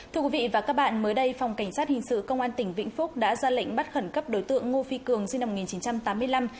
thưa quý vị và các bạn mới đây phòng cảnh sát hình sự công an tỉnh vĩnh phúc đã ra lệnh bắt khẩn cấp đối tượng ngô phi cường sinh năm một nghìn chín trăm tám mươi năm